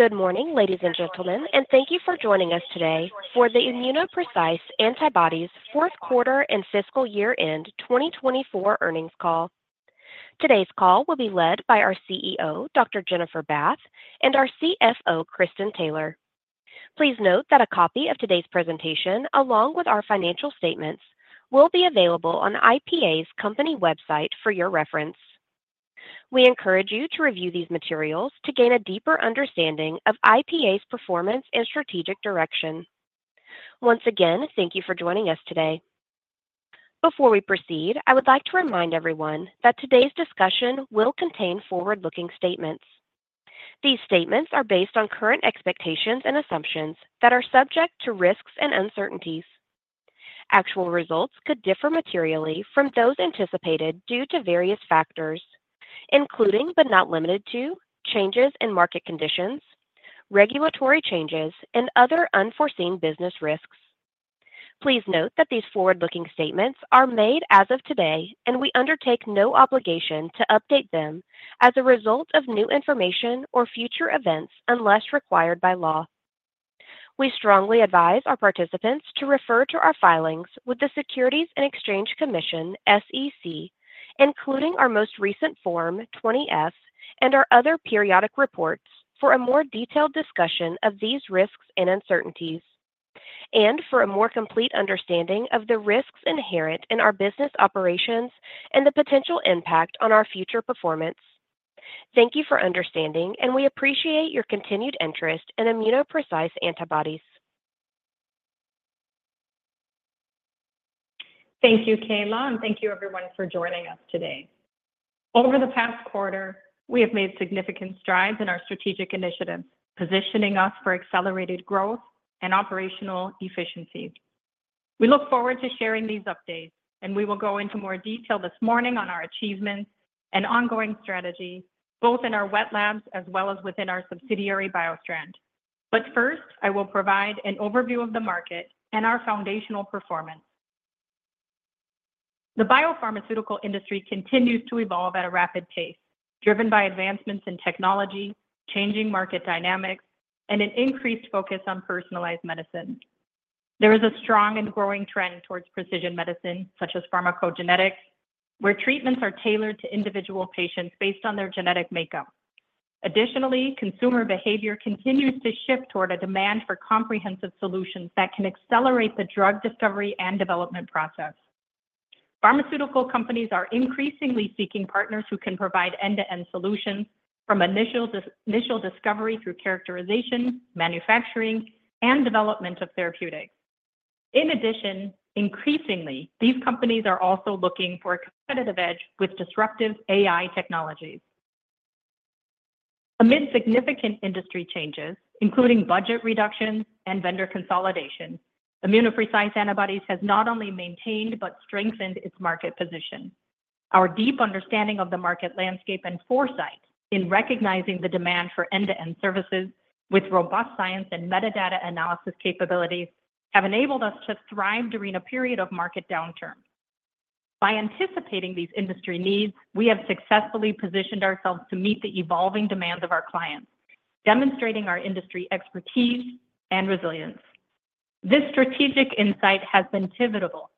Good morning, ladies and gentlemen, and thank you for joining us today for the ImmunoPrecise Antibodies fourth quarter and fiscal year end 2024 earnings call. Today's call will be led by our CEO, Dr. Jennifer Bath, and our CFO, Kristin Taylor. Please note that a copy of today's presentation, along with our financial statements, will be available on IPA's company website for your reference. We encourage you to review these materials to gain a deeper understanding of IPA's performance and strategic direction. Once again, thank you for joining us today. Before we proceed, I would like to remind everyone that today's discussion will contain forward-looking statements. These statements are based on current expectations and assumptions that are subject to risks and uncertainties. Actual results could differ materially from those anticipated due to various factors, including, but not limited to, changes in market conditions, regulatory changes, and other unforeseen business risks. Please note that these forward-looking statements are made as of today, and we undertake no obligation to update them as a result of new information or future events unless required by law. We strongly advise our participants to refer to our filings with the Securities and Exchange Commission, SEC, including our most recent Form 20-F and our other periodic reports, for a more detailed discussion of these risks and uncertainties, and for a more complete understanding of the risks inherent in our business operations and the potential impact on our future performance. Thank you for understanding, and we appreciate your continued interest in ImmunoPrecise Antibodies. Thank you, Kayla, and thank you everyone for joining us today. Over the past quarter, we have made significant strides in our strategic initiatives, positioning us for accelerated growth and operational efficiency. We look forward to sharing these updates, and we will go into more detail this morning on our achievements and ongoing strategies, both in our wet labs as well as within our subsidiary, BioStrand. But first, I will provide an overview of the market and our foundational performance. The biopharmaceutical industry continues to evolve at a rapid pace, driven by advancements in technology, changing market dynamics, and an increased focus on personalized medicine. There is a strong and growing trend towards precision medicine, such as pharmacogenetics, where treatments are tailored to individual patients based on their genetic makeup. Additionally, consumer behavior continues to shift toward a demand for comprehensive solutions that can accelerate the drug discovery and development process. Pharmaceutical companies are increasingly seeking partners who can provide end-to-end solutions from initial discovery through characterization, manufacturing, and development of therapeutics. In addition, increasingly, these companies are also looking for a competitive edge with disruptive AI technologies. Amid significant industry changes, including budget reductions and vendor consolidation, ImmunoPrecise Antibodies has not only maintained, but strengthened its market position. Our deep understanding of the market landscape and foresight in recognizing the demand for end-to-end services with robust science and metadata analysis capabilities have enabled us to thrive during a period of market downturn. By anticipating these industry needs, we have successfully positioned ourselves to meet the evolving demands of our clients, demonstrating our industry expertise and resilience. This strategic insight has been pivotal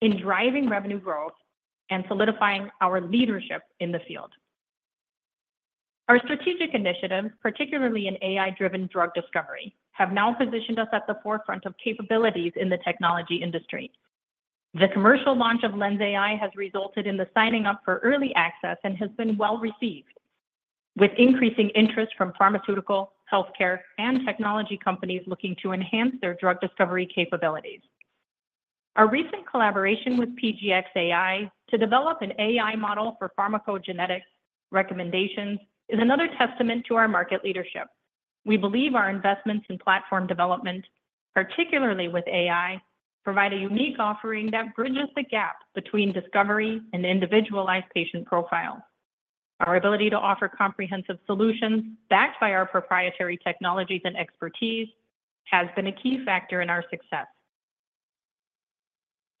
in driving revenue growth and solidifying our leadership in the field. Our strategic initiatives, particularly in AI-driven drug discovery, have now positioned us at the forefront of capabilities in the technology industry. The commercial launch of LENSai has resulted in the signing up for early access and has been well-received, with increasing interest from pharmaceutical, healthcare, and technology companies looking to enhance their drug discovery capabilities. Our recent collaboration with PGxAI to develop an AI model for pharmacogenetics recommendations is another testament to our market leadership. We believe our investments in platform development, particularly with AI, provide a unique offering that bridges the gap between discovery and individualized patient profiles. Our ability to offer comprehensive solutions backed by our proprietary technologies and expertise, has been a key factor in our success.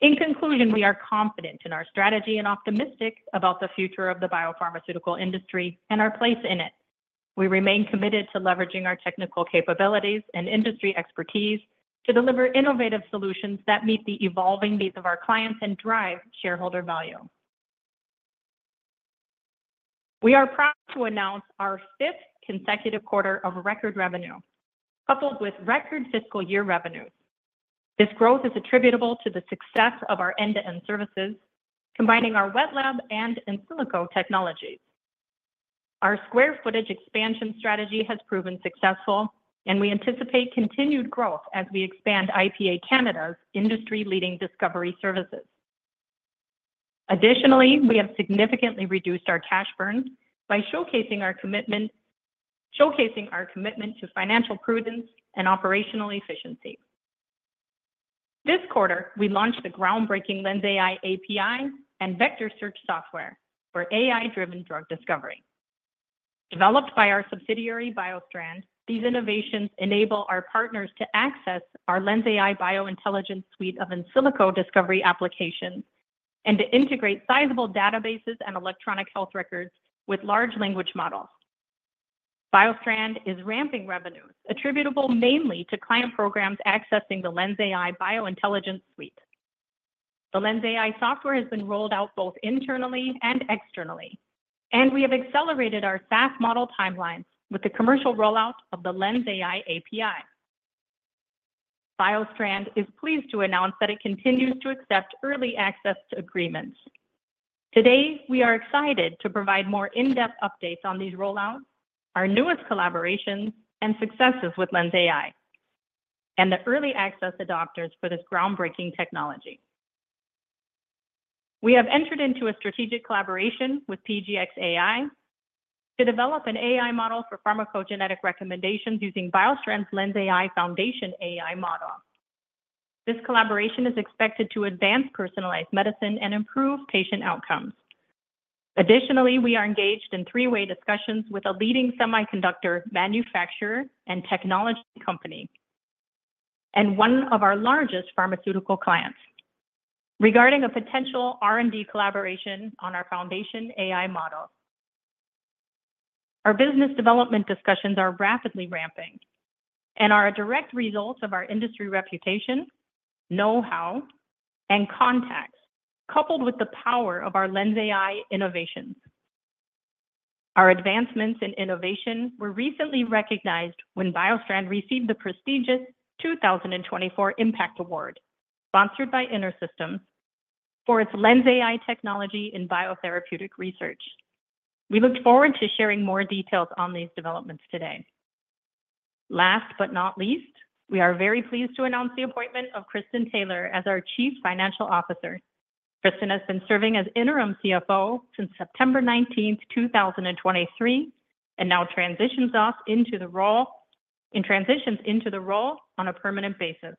In conclusion, we are confident in our strategy and optimistic about the future of the biopharmaceutical industry and our place in it. We remain committed to leveraging our technical capabilities and industry expertise to deliver innovative solutions that meet the evolving needs of our clients and drive shareholder value. We are proud to announce our fifth consecutive quarter of record revenue, coupled with record fiscal year revenues. This growth is attributable to the success of our end-to-end services, combining our wet lab and in silico technologies. Our square footage expansion strategy has proven successful, and we anticipate continued growth as we expand IPA Canada's industry-leading discovery services. Additionally, we have significantly reduced our cash burn by showcasing our commitment to financial prudence and operational efficiency. This quarter, we launched the groundbreaking LENSai API and Vector Search software for AI-driven drug discovery. Developed by our subsidiary, BioStrand, these innovations enable our partners to access our BioIntelligence Suite of in silico discovery applications and to integrate sizable databases and electronic health records with large language models. BioStrand is ramping revenues attributable mainly to client programs accessing the BioIntelligence Suite. the LENSai software has been rolled out both internally and externally, and we have accelerated our SaaS model timeline with the commercial rollout of the LENSai API. BioStrand is pleased to announce that it continues to accept early access to agreements. Today, we are excited to provide more in-depth updates on these rollouts, our newest collaborations, and successes with LENSai, and the early access adopters for this groundbreaking technology. We have entered into a strategic collaboration with PGxAI to develop an AI model for pharmacogenetic recommendations using BioStrand's LENSai Foundation AI model. This collaboration is expected to advance personalized medicine and improve patient outcomes. Additionally, we are engaged in three-way discussions with a leading semiconductor manufacturer and technology company, and one of our largest pharmaceutical clients regarding a potential R&D collaboration on our foundation AI model. Our business development discussions are rapidly ramping and are a direct result of our industry reputation, know-how, and contacts, coupled with the power of our LENSai innovations. Our advancements in innovation were recently recognized when BioStrand received the prestigious 2024 Impact Award, sponsored by InterSystems, for its LENSai technology in biotherapeutic research. We look forward to sharing more details on these developments today. Last but not least, we are very pleased to announce the appointment of Kristin Taylor as our Chief Financial Officer. Kristin has been serving as interim CFO since September nineteenth, two thousand and twenty-three, and now transitions into the role on a permanent basis.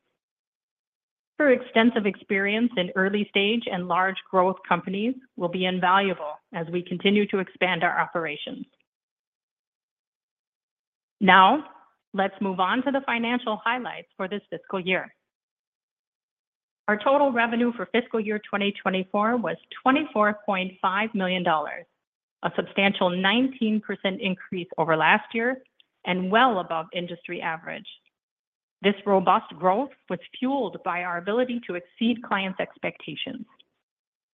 Her extensive experience in early stage and large growth companies will be invaluable as we continue to expand our operations. Now, let's move on to the financial highlights for this fiscal year. Our total revenue for fiscal year 2024 was $24.5 million, a substantial 19% increase over last year and well above industry average. This robust growth was fueled by our ability to exceed clients' expectations,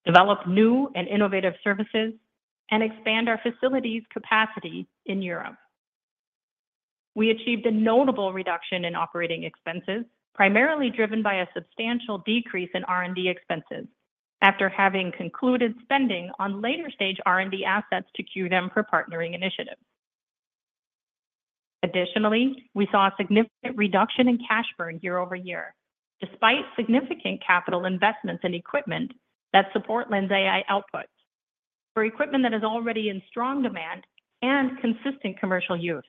develop new and innovative services, and expand our facilities capacity in Europe. We achieved a notable reduction in operating expenses, primarily driven by a substantial decrease in R&D expenses, after having concluded spending on later-stage R&D assets to cue them for partnering initiatives. Additionally, we saw a significant reduction in cash burn year-over-year, despite significant capital investments in equipment that support LENSai output for equipment that is already in strong demand and consistent commercial use.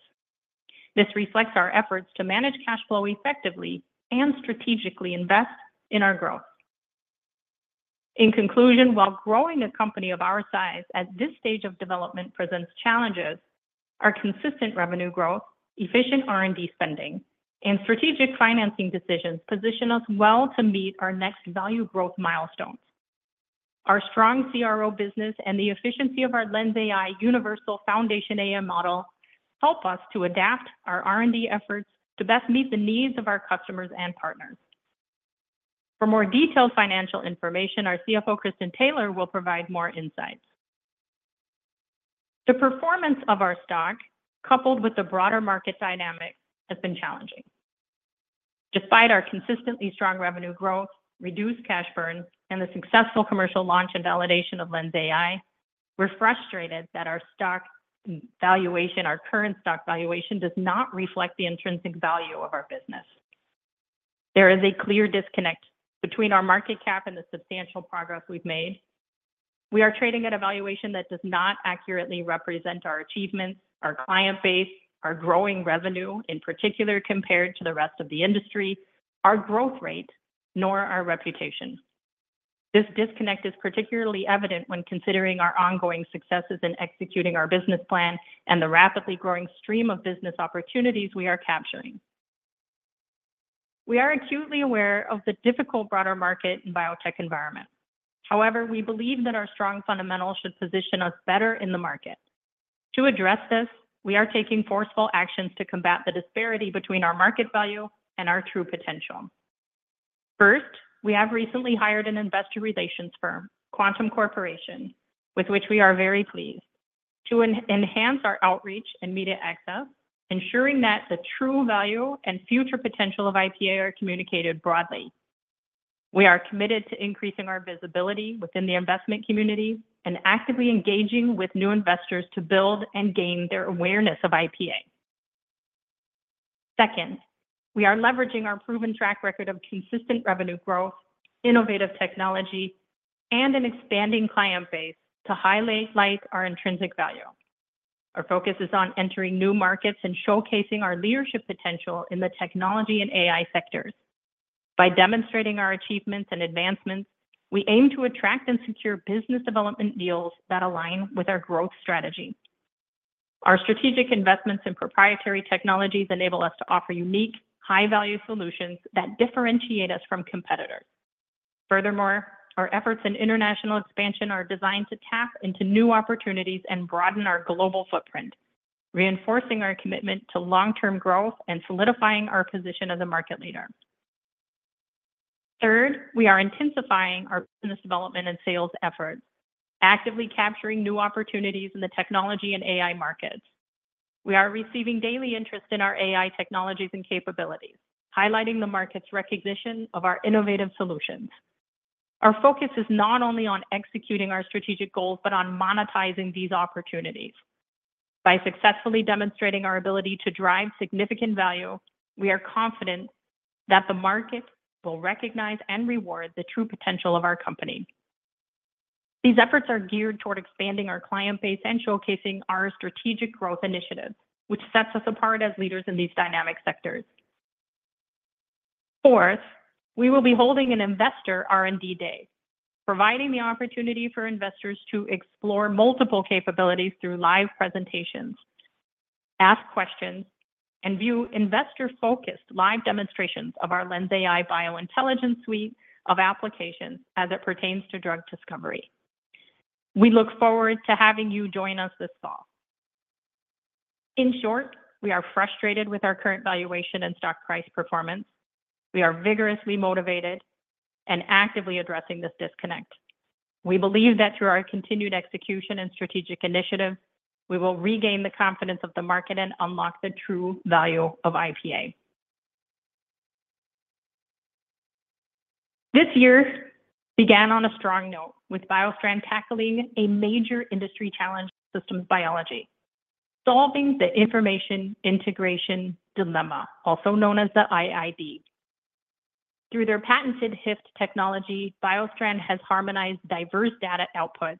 This reflects our efforts to manage cash flow effectively and strategically invest in our growth. In conclusion, while growing a company of our size at this stage of development presents challenges, our consistent revenue growth, efficient R&D spending, and strategic financing decisions position us well to meet our next value growth milestones. Our strong CRO business and the efficiency of our LENSai Universal Foundation AI model help us to adapt our R&D efforts to best meet the needs of our customers and partners. For more detailed financial information, our CFO, Kristin Taylor, will provide more insights. The performance of our stock, coupled with the broader market dynamic, has been challenging. Despite our consistently strong revenue growth, reduced cash burn, and the successful commercial launch and validation of LENSai, we're frustrated that our stock valuation, our current stock valuation, does not reflect the intrinsic value of our business. There is a clear disconnect between our market cap and the substantial progress we've made. We are trading at a valuation that does not accurately represent our achievements, our client base, our growing revenue, in particular compared to the rest of the industry, our growth rate, nor our reputation. This disconnect is particularly evident when considering our ongoing successes in executing our business plan and the rapidly growing stream of business opportunities we are capturing. We are acutely aware of the difficult broader market in biotech environment. However, we believe that our strong fundamentals should position us better in the market. To address this, we are taking forceful actions to combat the disparity between our market value and our true potential. First, we have recently hired an investor relations firm, Quantum Media Group, with which we are very pleased, to enhance our outreach and media access, ensuring that the true value and future potential of IPA are communicated broadly. We are committed to increasing our visibility within the investment community and actively engaging with new investors to build and gain their awareness of IPA. Second, we are leveraging our proven track record of consistent revenue growth, innovative technology, and an expanding client base to highlight our intrinsic value. Our focus is on entering new markets and showcasing our leadership potential in the technology and AI sectors. By demonstrating our achievements and advancements, we aim to attract and secure business development deals that align with our growth strategy.... Our strategic investments in proprietary technologies enable us to offer unique, high-value solutions that differentiate us from competitors. Furthermore, our efforts in international expansion are designed to tap into new opportunities and broaden our global footprint, reinforcing our commitment to long-term growth and solidifying our position as a market leader. Third, we are intensifying our business development and sales efforts, actively capturing new opportunities in the technology and AI markets. We are receiving daily interest in our AI technologies and capabilities, highlighting the market's recognition of our innovative solutions. Our focus is not only on executing our strategic goals, but on monetizing these opportunities. By successfully demonstrating our ability to drive significant value, we are confident that the market will recognize and reward the true potential of our company. These efforts are geared toward expanding our client base and showcasing our strategic growth initiatives, which sets us apart as leaders in these dynamic sectors. Fourth, we will be holding an investor R&D day, providing the opportunity for investors to explore multiple capabilities through live presentations, ask questions, and view investor-focused live demonstrations of our BioIntelligence Suite of applications as it pertains to drug discovery. We look forward to having you join us this fall. In short, we are frustrated with our current valuation and stock price performance. We are vigorously motivated and actively addressing this disconnect. We believe that through our continued execution and strategic initiative, we will regain the confidence of the market and unlock the true value of IPA. This year began on a strong note, with BioStrand tackling a major industry challenge in systems biology, solving the information integration dilemma, also known as the IID. Through their patented HYFT technology, BioStrand has harmonized diverse data outputs,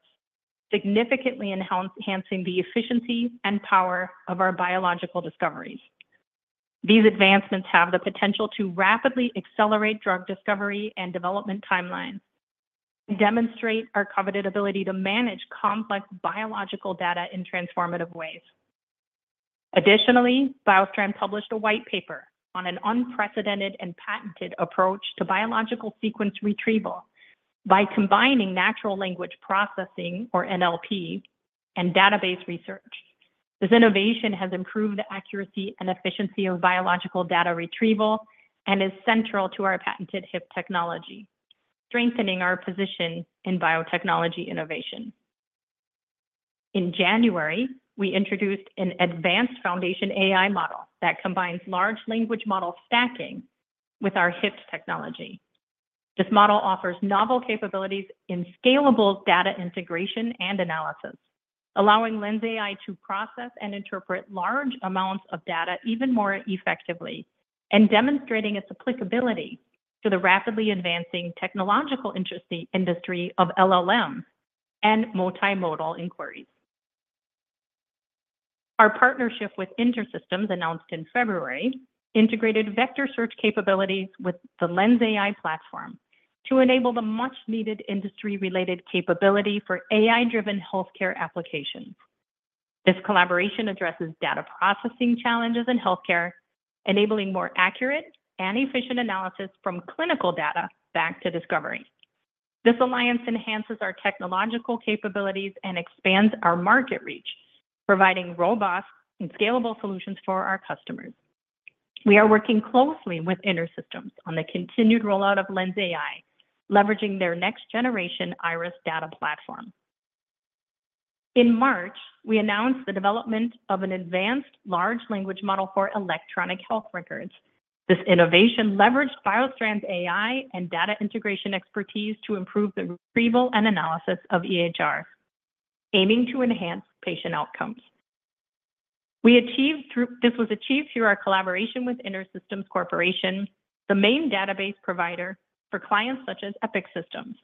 significantly enhancing the efficiency and power of our biological discoveries. These advancements have the potential to rapidly accelerate drug discovery and development timelines and demonstrate our coveted ability to manage complex biological data in transformative ways. Additionally, BioStrand published a white paper on an unprecedented and patented approach to biological sequence retrieval by combining natural language processing, or NLP, and database research. This innovation has improved the accuracy and efficiency of biological data retrieval and is central to our patented HYFT technology, strengthening our position in biotechnology innovation. In January, we introduced an advanced foundation AI model that combines large language model stacking with our HYFT technology. This model offers novel capabilities in scalable data integration and analysis, allowing LENSai to process and interpret large amounts of data even more effectively and demonstrating its applicability to the rapidly advancing technological industry, industry of LLM and multimodal inquiries. Our partnership with InterSystems, announced in February, integrated vector search capabilities with the LENSai platform to enable the much-needed industry-related capability for AI-driven healthcare applications. This collaboration addresses data processing challenges in healthcare, enabling more accurate and efficient analysis from clinical data back to discovery. This alliance enhances our technological capabilities and expands our market reach, providing robust and scalable solutions for our customers. We are working closely with InterSystems on the continued rollout of LENSai, leveraging their next-generation IRIS data platform. In March, we announced the development of an advanced large language model for electronic health records. This innovation leveraged BioStrand's AI and data integration expertise to improve the retrieval and analysis of EHR, aiming to enhance patient outcomes. This was achieved through our collaboration with InterSystems Corporation, the main database provider for clients such as Epic Systems.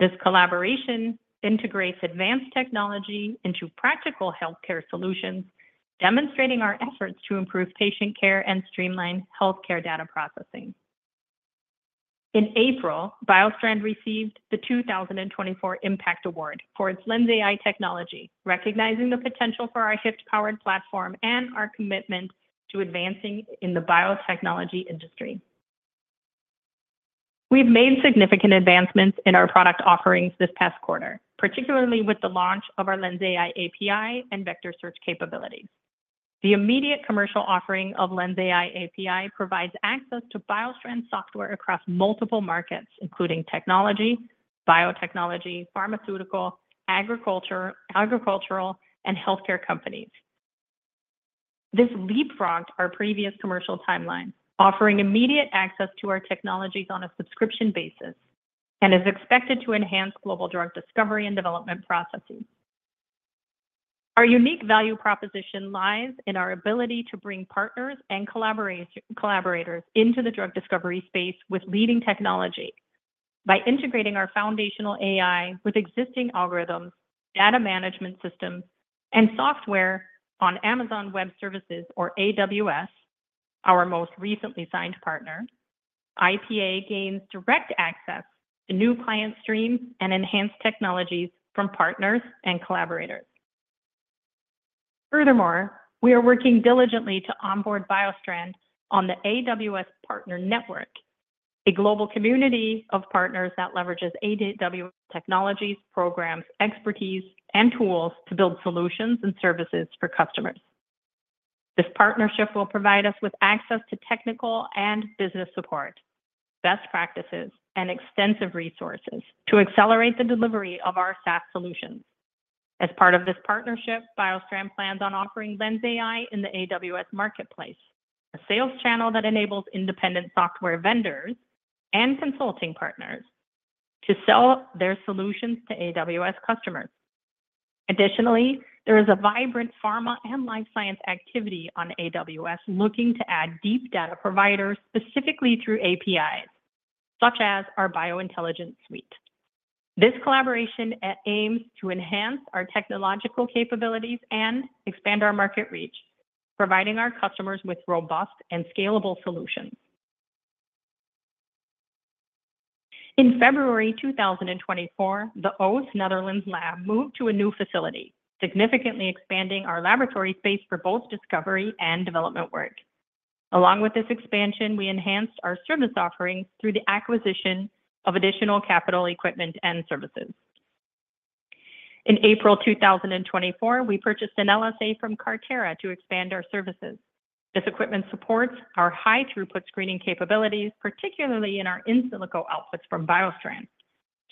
This collaboration integrates advanced technology into practical healthcare solutions, demonstrating our efforts to improve patient care and streamline healthcare data processing. In April, BioStrand received the 2024 Impact Award for its LENSai technology, recognizing the potential for our HYFT-powered platform and our commitment to advancing in the biotechnology industry. We've made significant advancements in our product offerings this past quarter, particularly with the launch of our LENSai API and vector search capabilities. The immediate commercial offering of LENSai API provides access to BioStrand's software across multiple markets, including technology, biotechnology, pharmaceutical, agriculture, agricultural, and healthcare companies. This leapfrogged our previous commercial timeline, offering immediate access to our technologies on a subscription basis and is expected to enhance global drug discovery and development processes. Our unique value proposition lies in our ability to bring partners and collaborators into the drug discovery space with leading technology. By integrating our foundational AI with existing algorithms, data management systems, and software on Amazon Web Services, or AWS. Our most recently signed partner, IPA, gains direct access to new client streams and enhanced technologies from partners and collaborators. Furthermore, we are working diligently to onboard BioStrand on the AWS Partner Network, a global community of partners that leverages AWS technologies, programs, expertise, and tools to build solutions and services for customers. This partnership will provide us with access to technical and business support, best practices, and extensive resources to accelerate the delivery of our SaaS solutions. As part of this partnership, BioStrand plans on offering LENSai in the AWS Marketplace, a sales channel that enables independent software vendors and consulting partners to sell their solutions to AWS customers. Additionally, there is a vibrant pharma and life science activity on AWS looking to add deep data providers, specifically through APIs, such as BioIntelligence Suite. this collaboration aims to enhance our technological capabilities and expand our market reach, providing our customers with robust and scalable solutions. In February 2024, the Oss, Netherlands lab moved to a new facility, significantly expanding our laboratory space for both discovery and development work. Along with this expansion, we enhanced our service offerings through the acquisition of additional capital equipment and services. In April 2024, we purchased an LSA from Carterra to expand our services. This equipment supports our high-throughput screening capabilities, particularly in our in silico outputs from BioStrand.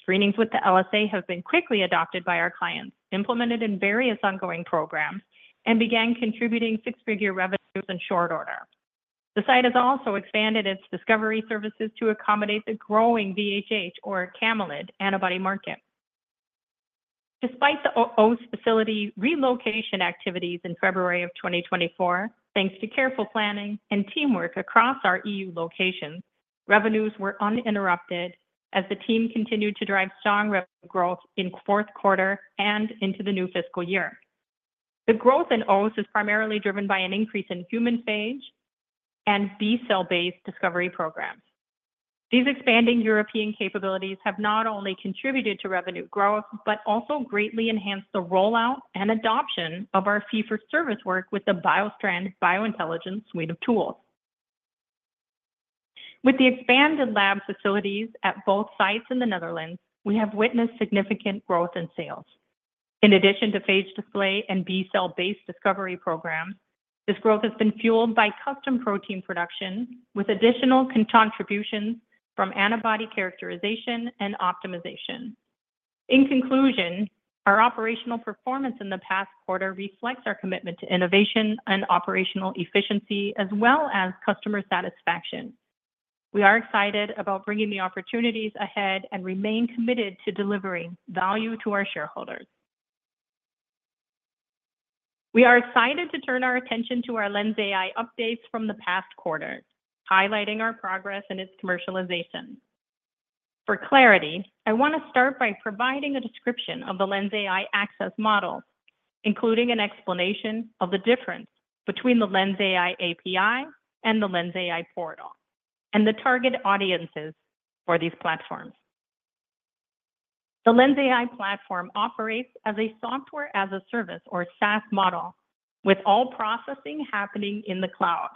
Screenings with the LSA have been quickly adopted by our clients, implemented in various ongoing programs, and began contributing six-figure revenues in short order. The site has also expanded its discovery services to accommodate the growing VHH, or camelid antibody market. Despite the Oss facility relocation activities in February of 2024, thanks to careful planning and teamwork across our EU locations, revenues were uninterrupted as the team continued to drive strong revenue growth in fourth quarter and into the new fiscal year. The growth in Oss is primarily driven by an increase in human phage and B-cell-based discovery programs. These expanding European capabilities have not only contributed to revenue growth, but also greatly enhanced the rollout and adoption of our fee-for-service work with the BioIntelligence Suite of tools. With the expanded lab facilities at both sites in the Netherlands, we have witnessed significant growth in sales. In addition to phage display and B-cell-based discovery programs, this growth has been fueled by custom protein production, with additional contributions from antibody characterization and optimization. In conclusion, our operational performance in the past quarter reflects our commitment to innovation and operational efficiency, as well as customer satisfaction. We are excited about bringing the opportunities ahead and remain committed to delivering value to our shareholders. We are excited to turn our attention to our LENSai updates from the past quarter, highlighting our progress in its commercialization. For clarity, I want to start by providing a description of the LENSai access model, including an explanation of the difference between the LENSai API and the LENSai portal, and the target audiences for these platforms. the LENSai platform operates as a software as a service, or SaaS model, with all processing happening in the cloud.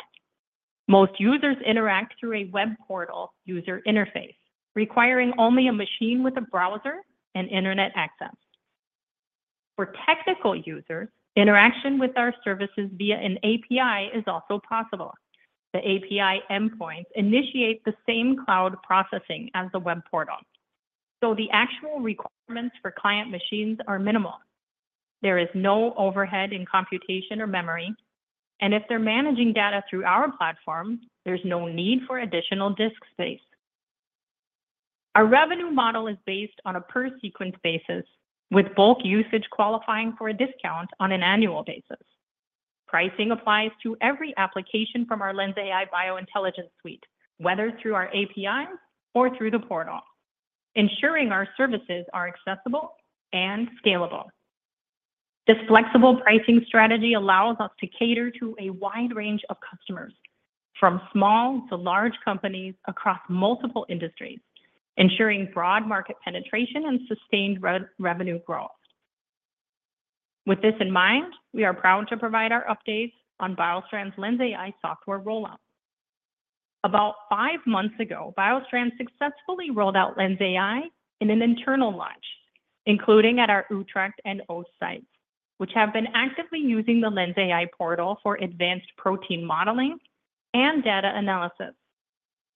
Most users interact through a web portal user interface, requiring only a machine with a browser and internet access. For technical users, interaction with our services via an API is also possible. The API endpoints initiate the same cloud processing as the web portal, so the actual requirements for client machines are minimal. There is no overhead in computation or memory, and if they're managing data through our platform, there's no need for additional disk space. Our revenue model is based on a per-sequence basis, with bulk usage qualifying for a discount on an annual basis. Pricing applies to every application from BioIntelligence Suite, whether through our APIs or through the portal, ensuring our services are accessible and scalable. This flexible pricing strategy allows us to cater to a wide range of customers, from small to large companies across multiple industries, ensuring broad market penetration and sustained revenue growth. With this in mind, we are proud to provide our updates on BioStrand's LENSai software rollout. About five months ago, BioStrand successfully rolled out LENSai in an internal launch, including at our Utrecht and Oss sites, which have been actively using the LENSai portal for advanced protein modeling and data analysis.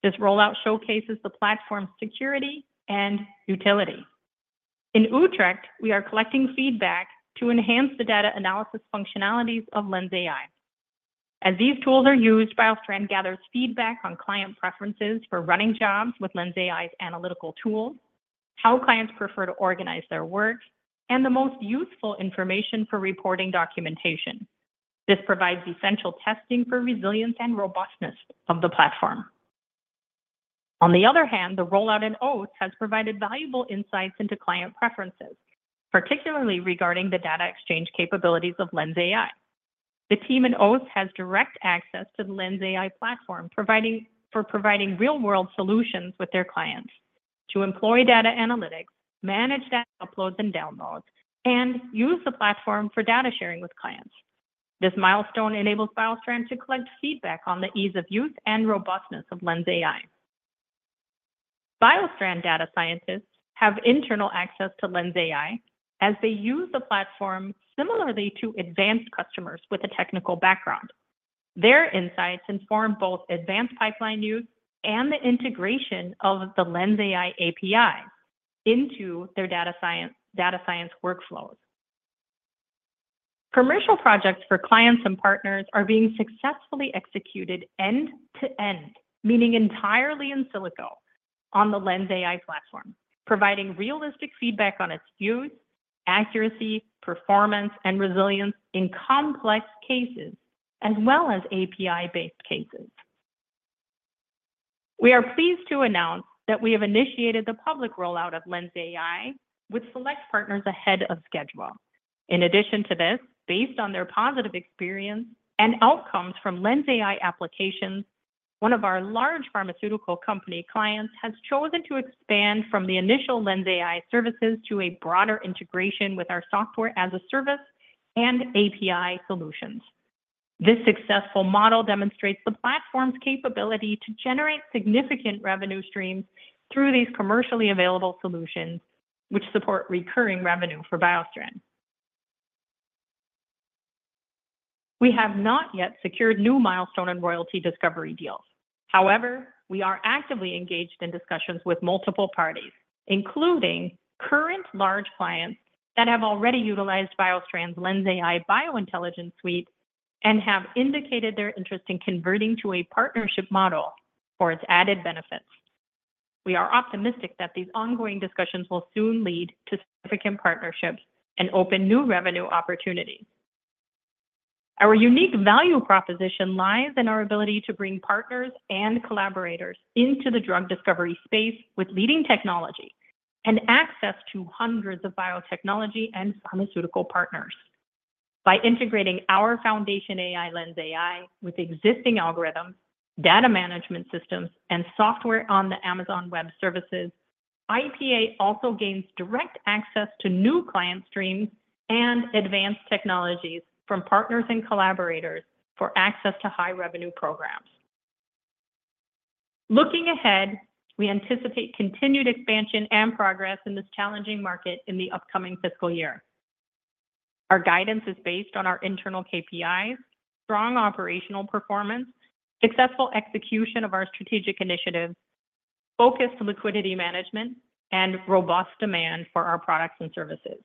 This rollout showcases the platform's security and utility. In Utrecht, we are collecting feedback to enhance the data analysis functionalities of LENSai. As these tools are used, BioStrand gathers feedback on client preferences for running jobs with LENSai's analytical tools, how clients prefer to organize their work, and the most useful information for reporting documentation. This provides essential testing for resilience and robustness of the platform... On the other hand, the rollout in Oss has provided valuable insights into client preferences, particularly regarding the data exchange capabilities of LENSai. The team in Oss has direct access to the LENSai platform, providing real-world solutions with their clients to employ data analytics, manage data uploads and downloads, and use the platform for data sharing with clients. This milestone enables BioStrand to collect feedback on the ease of use and robustness of LENSai. BioStrand data scientists have internal access to LENSai as they use the platform similarly to advanced customers with a technical background. Their insights inform both advanced pipeline use and the integration of the LENSai API into their data science workflows. Commercial projects for clients and partners are being successfully executed end to end, meaning entirely in silico on the LENSai platform, providing realistic feedback on its use, accuracy, performance, and resilience in complex cases, as well as API-based cases. We are pleased to announce that we have initiated the public rollout of LENSai with select partners ahead of schedule. In addition to this, based on their positive experience and outcomes from LENSai applications, one of our large pharmaceutical company clients has chosen to expand from the initial LENSai services to a broader integration with our software as a service and API solutions. This successful model demonstrates the platform's capability to generate significant revenue streams through these commercially available solutions, which support recurring revenue for BioStrand. We have not yet secured new milestone and royalty discovery deals. However, we are actively engaged in discussions with multiple parties, including current large clients that have already utilized BioStrand's BioIntelligence Suite and have indicated their interest in converting to a partnership model for its added benefits. We are optimistic that these ongoing discussions will soon lead to significant partnerships and open new revenue opportunities. Our unique value proposition lies in our ability to bring partners and collaborators into the drug discovery space with leading technology and access to hundreds of biotechnology and pharmaceutical partners. By integrating our foundation AI, LENSai, with existing algorithms, data management systems, and software on the Amazon Web Services, IPA also gains direct access to new client streams and advanced technologies from partners and collaborators for access to high-revenue programs. Looking ahead, we anticipate continued expansion and progress in this challenging market in the upcoming fiscal year. Our guidance is based on our internal KPIs, strong operational performance, successful execution of our strategic initiatives, focused liquidity management, and robust demand for our products and services.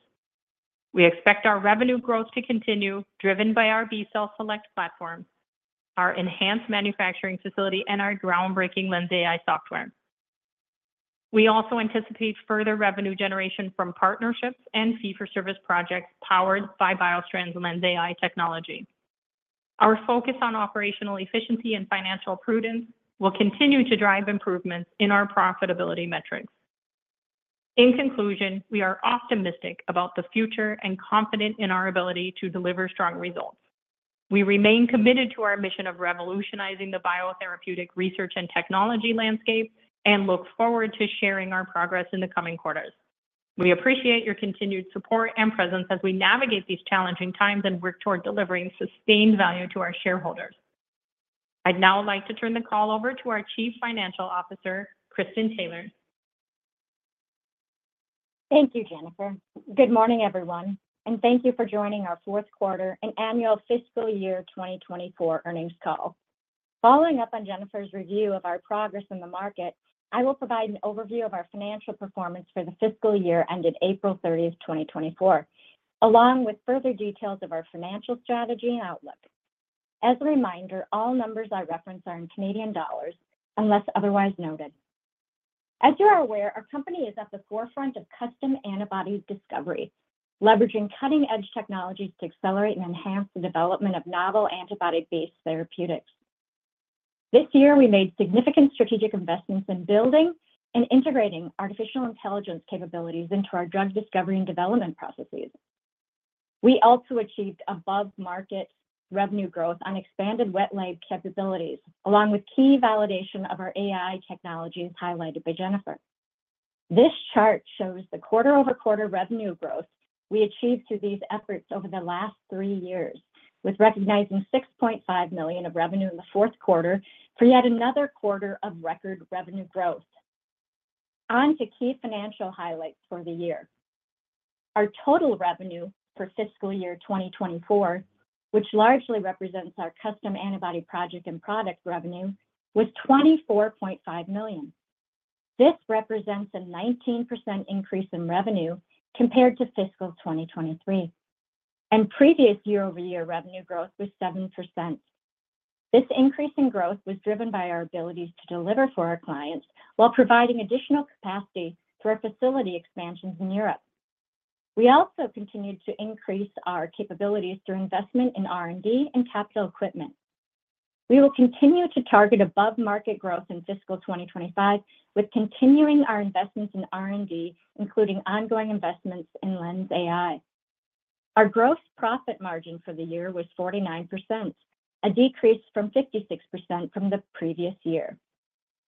We expect our revenue growth to continue, driven by our B Cell Select platform, our enhanced manufacturing facility, and our groundbreaking LENSai software. We also anticipate further revenue generation from partnerships and fee-for-service projects powered by BioStrand's LENSai technology. Our focus on operational efficiency and financial prudence will continue to drive improvements in our profitability metrics. In conclusion, we are optimistic about the future and confident in our ability to deliver strong results. We remain committed to our mission of revolutionizing the biotherapeutic research and technology landscape and look forward to sharing our progress in the coming quarters. We appreciate your continued support and presence as we navigate these challenging times and work toward delivering sustained value to our shareholders. I'd now like to turn the call over to our Chief Financial Officer, Kristin Taylor. Thank you, Jennifer. Good morning, everyone, and thank you for joining our fourth quarter and annual fiscal year 2024 earnings call. Following up on Jennifer's review of our progress in the market, I will provide an overview of our financial performance for the fiscal year ended April 30, 2024, along with further details of our financial strategy and outlook. As a reminder, all numbers I reference are in Canadian dollars, unless otherwise noted. As you are aware, our company is at the forefront of custom antibody discovery, leveraging cutting-edge technologies to accelerate and enhance the development of novel antibody-based therapeutics. This year, we made significant strategic investments in building and integrating artificial intelligence capabilities into our drug discovery and development processes. We also achieved above-market revenue growth on expanded wet lab capabilities, along with key validation of our AI technologies, highlighted by Jennifer. This chart shows the quarter-over-quarter revenue growth we achieved through these efforts over the last three years, with recognizing 6.5 million of revenue in the fourth quarter for yet another quarter of record revenue growth. On to key financial highlights for the year. Our total revenue for fiscal year 2024, which largely represents our custom antibody project and product revenue, was 24.5 million. This represents a 19% increase in revenue compared to fiscal 2023, and previous year-over-year revenue growth was 7%. This increase in growth was driven by our abilities to deliver for our clients while providing additional capacity through our facility expansions in Europe.... We also continued to increase our capabilities through investment in R&D and capital equipment. We will continue to target above-market growth in fiscal 2025, with continuing our investments in R&D, including ongoing investments in LENSai. Our gross profit margin for the year was 49%, a decrease from 56% from the previous year.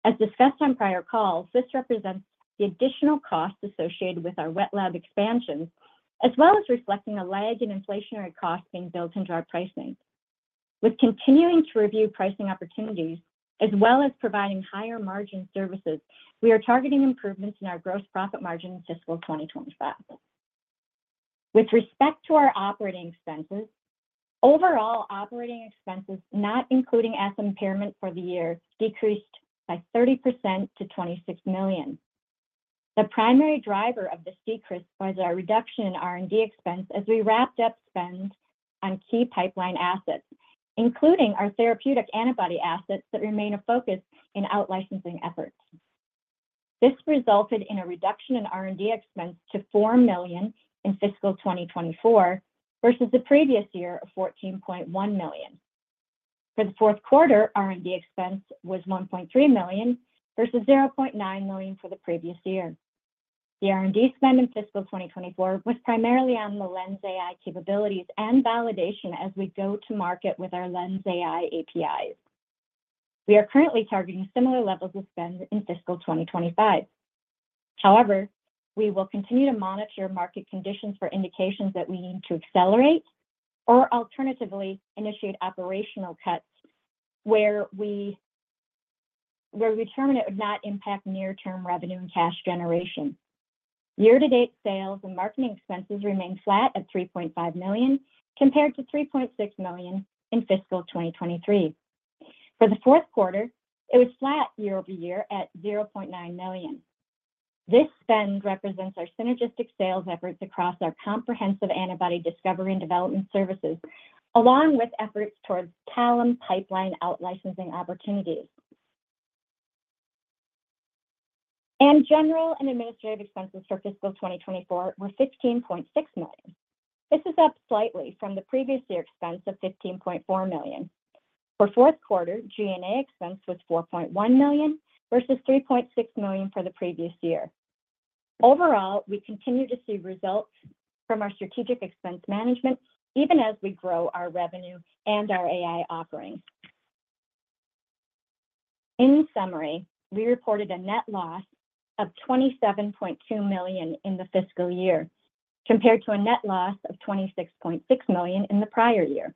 As discussed on prior calls, this represents the additional costs associated with our wet lab expansion, as well as reflecting a lag in inflationary costs being built into our pricing. With continuing to review pricing opportunities, as well as providing higher margin services, we are targeting improvements in our gross profit margin in fiscal 2025. With respect to our operating expenses, overall operating expenses, not including asset impairment for the year, decreased by 30% to 26 million. The primary driver of this decrease was our reduction in R&D expense as we wrapped up spend on key pipeline assets, including our therapeutic antibody assets that remain a focus in out-licensing efforts. This resulted in a reduction in R&D expense to 4 million in fiscal 2024 versus the previous year of 14.1 million. For the fourth quarter, R&D expense was 1.3 million versus 0.9 million for the previous year. The R&D spend in fiscal 2024 was primarily on the LENSai capabilities and validation as we go to market with our LENSai APIs. We are currently targeting similar levels of spend in fiscal 2025. However, we will continue to monitor market conditions for indications that we need to accelerate or alternatively initiate operational cuts where we determine it would not impact near-term revenue and cash generation. Year-to-date sales and marketing expenses remain flat at 3.5 million, compared to 3.6 million in fiscal 2023. For the fourth quarter, it was flat year-over-year at 0.9 million. This spend represents our synergistic sales efforts across our comprehensive antibody discovery and development services, along with efforts towards Talem pipeline out-licensing opportunities. General and administrative expenses for fiscal 2024 were 15.6 million. This is up slightly from the previous year expense of 15.4 million. For fourth quarter, G&A expense was 4.1 million versus 3.6 million for the previous year. Overall, we continue to see results from our strategic expense management, even as we grow our revenue and our AI offerings. In summary, we reported a net loss of 27.2 million in the fiscal year, compared to a net loss of 26.6 million in the prior year.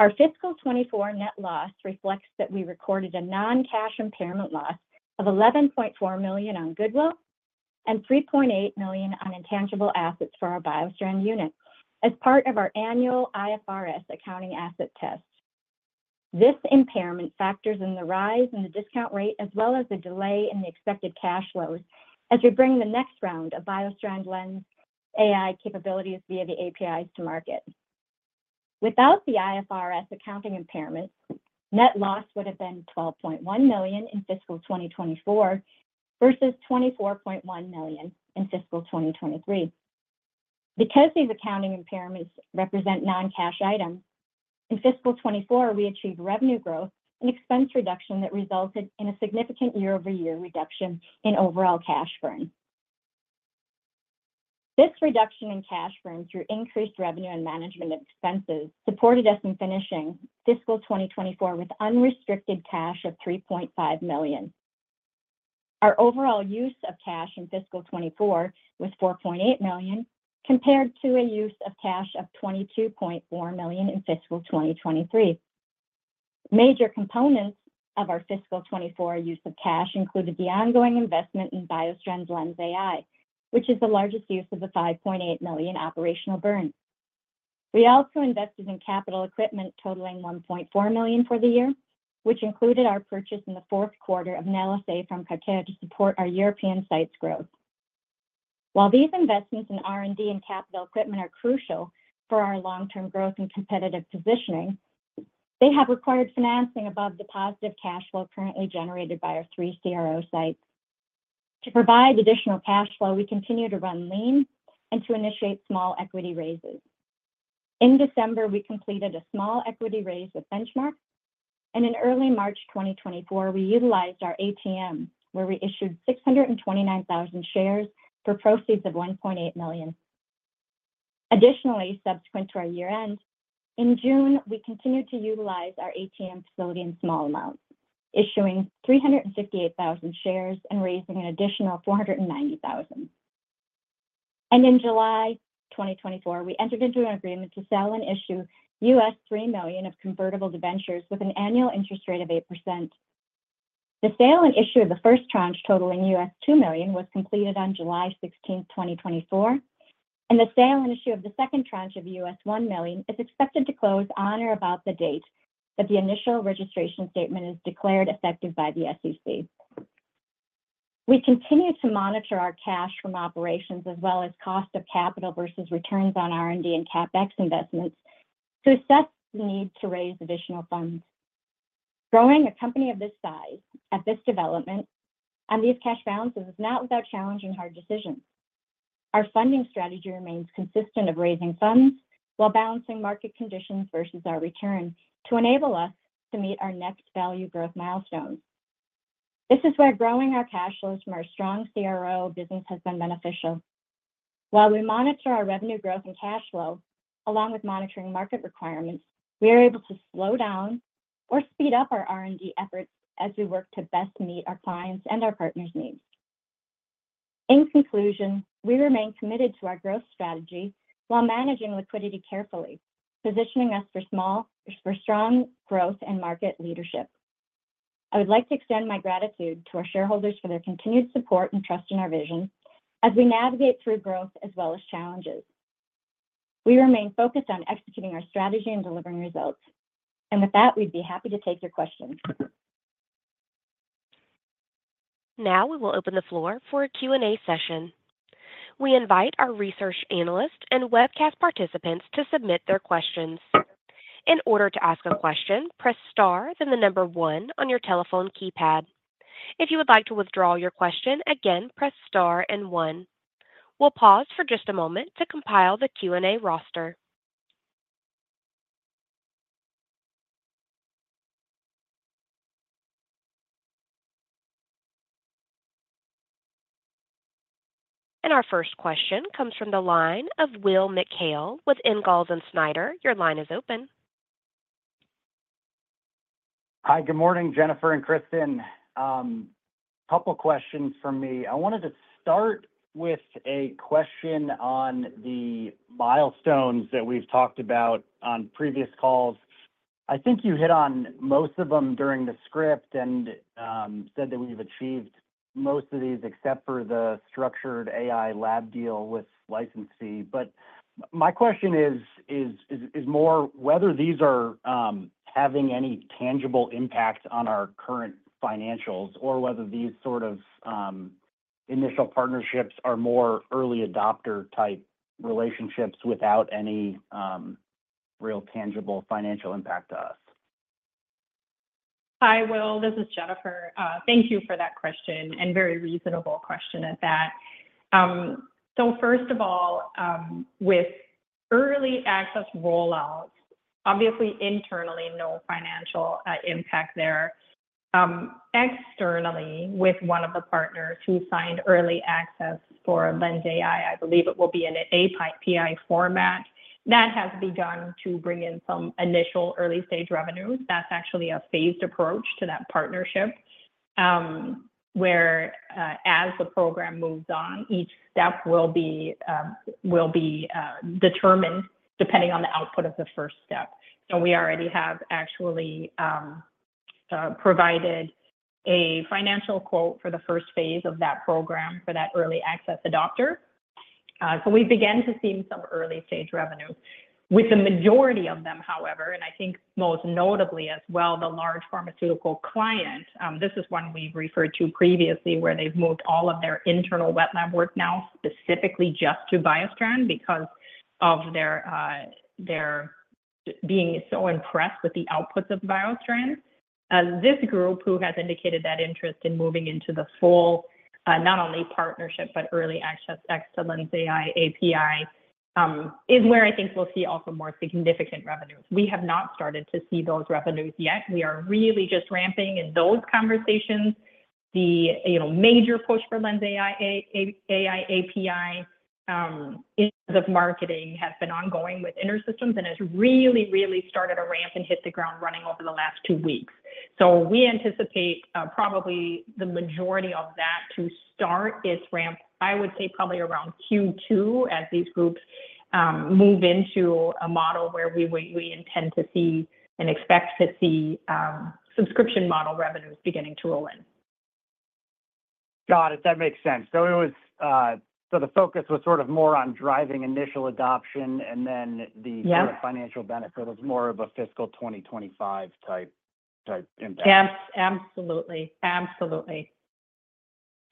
Our fiscal 2024 net loss reflects that we recorded a non-cash impairment loss of 11.4 million on goodwill and 3.8 million on intangible assets for our BioStrand unit as part of our annual IFRS accounting asset test. This impairment factors in the rise in the discount rate, as well as the delay in the expected cash flows as we bring the next round of BioStrand LENSai capabilities via the APIs to market. Without the IFRS accounting impairment, net loss would have been 12.1 million in fiscal 2024 versus 24.1 million in fiscal 2023. Because these accounting impairments represent non-cash items, in fiscal 2024, we achieved revenue growth and expense reduction that resulted in a significant year-over-year reduction in overall cash burn. This reduction in cash burn through increased revenue and management expenses supported us in finishing fiscal 2024 with unrestricted cash of 3.5 million. Our overall use of cash in fiscal 2024 was 4.8 million, compared to a use of cash of 22.4 million in fiscal 2023. Major components of our fiscal 2024 use of cash included the ongoing investment in BioStrand's LENSai, which is the largest use of the 5.8 million operational burn. We also invested in capital equipment totaling 1.4 million for the year, which included our purchase in the fourth quarter of LSA from Carterra to support our European sites growth. While these investments in R&D and capital equipment are crucial for our long-term growth and competitive positioning, they have required financing above the positive cash flow currently generated by our three CRO sites. To provide additional cash flow, we continue to run lean and to initiate small equity raises. In December, we completed a small equity raise with Benchmark, and in early March 2024, we utilized our ATM, where we issued 629,000 shares for proceeds of 1.8 million. Additionally, subsequent to our year-end, in June, we continued to utilize our ATM facility in small amounts, issuing 358,000 shares and raising an additional 490,000. In July 2024, we entered into an agreement to sell and issue $3 million of convertible debentures with an annual interest rate of 8%. The sale and issue of the first tranche, totaling $2 million, was completed on July 16, 2024, and the sale and issue of the second tranche of $1 million is expected to close on or about the date that the initial registration statement is declared effective by the SEC. We continue to monitor our cash from operations as well as cost of capital versus returns on R&D and CapEx investments to assess the need to raise additional funds. Growing a company of this size, at this development, and these cash balances is not without challenge and hard decisions. Our funding strategy remains consistent of raising funds while balancing market conditions versus our return to enable us to meet our next value growth milestones. This is where growing our cash flows from our strong CRO business has been beneficial. While we monitor our revenue growth and cash flow, along with monitoring market requirements, we are able to slow down or speed up our R&D efforts as we work to best meet our clients' and our partners' needs. In conclusion, we remain committed to our growth strategy while managing liquidity carefully, positioning us for strong growth and market leadership. I would like to extend my gratitude to our shareholders for their continued support and trust in our vision as we navigate through growth as well as challenges. We remain focused on executing our strategy and delivering results. With that, we'd be happy to take your questions. Now we will open the floor for a Q&A session. We invite our research analysts and webcast participants to submit their questions. In order to ask a question, press Star, then the number One on your telephone keypad. If you would like to withdraw your question, again, press Star and One. We'll pause for just a moment to compile the Q&A roster. Our first question comes from the line of Will McHale with Ingalls & Snyder. Your line is open. Hi, good morning, Jennifer and Kristin. Couple questions from me. I wanted to start with a question on the milestones that we've talked about on previous calls. I think you hit on most of them during the script and said that we've achieved most of these except for the structured AI lab deal with licensee. But my question is more whether these are having any tangible impact on our current financials or whether these sort of initial partnerships are more early adopter-type relationships without any real tangible financial impact to us? Hi, Will, this is Jennifer. Thank you for that question, and very reasonable question at that. So first of all, with early access rollouts, obviously internally, no financial impact there. Externally, with one of the partners who signed early access for LENSai, I believe it will be in an API format. That has begun to bring in some initial early-stage revenues. That's actually a phased approach to that partnership, where, as the program moves on, each step will be determined depending on the output of the first step. And we already have actually provided a financial quote for the first phase of that program for that early access adopter. So we've begun to see some early-stage revenue. With the majority of them, however, and I think most notably as well, the large pharmaceutical client, this is one we've referred to previously, where they've moved all of their internal wet lab work now specifically just to BioStrand because of their being so impressed with the outputs of BioStrand. This group, who has indicated that interest in moving into the full, not only partnership but early access to LENSai API, is where I think we'll see also more significant revenues. We have not started to see those revenues yet. We are really just ramping in those conversations. The, you know, major push for LENSai API in our marketing has been ongoing with InterSystems and has really, really started to ramp and hit the ground running over the last two weeks. So we anticipate probably the majority of that to start its ramp, I would say probably around Q2, as these groups move into a model where we intend to see and expect to see subscription model revenues beginning to roll in. Got it. That makes sense. So the focus was sort of more on driving initial adoption, and then the- Yeah... sort of financial benefit was more of a fiscal 2025 type impact. Yes, absolutely. Absolutely.